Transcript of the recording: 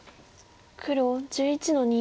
黒１１の二。